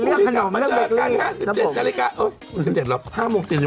เรียบขนมเรียบเบ็กลี่นะผมพี่จัดการ๕๗นาฬิกาโอ๊ย๕๗ละ